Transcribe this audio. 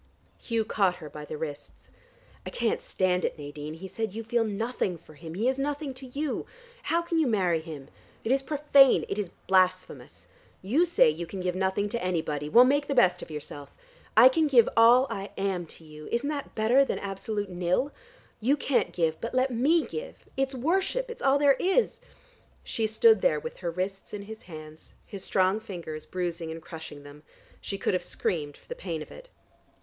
Hugh caught her by the wrists. "I can't stand it, Nadine," he said. "You feel nothing for him. He is nothing to you. How can you marry him? It's profane: it's blasphemous. You say you can give nothing to anybody. Well, make the best of yourself. I can give all I am to you. Isn't that better than absolute nil? You can't give, but let me give. It's worship, it's all there is " She stood there with her wrists in his hands, his strong fingers bruising and crushing them. She could have screamed for the pain of it.